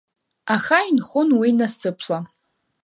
Аха инхон уи насыԥла.